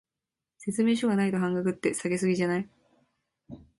説明書がないと半額って、下げ過ぎじゃない？